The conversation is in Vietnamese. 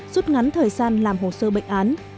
rút ngắn thời gian làm hồ sơ bệnh án